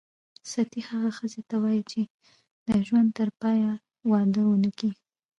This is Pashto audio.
ستۍ هغه ښځي ته وايي چي د ژوند ترپایه واده ونه کي.